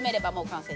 完成。